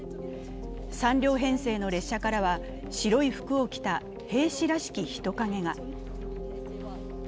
３両編成の列車からは白い服を着た兵士らしき人影が。